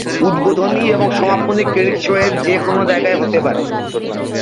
উদ্বোধনী এবং সমাপনী ক্রেডিট শো এর যে কোন জায়গায় হতে পারে।